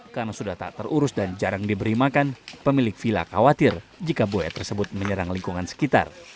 karena sudah tak terurus dan jarang diberi makan pemilik vila khawatir jika buaya tersebut menyerang lingkungan sekitar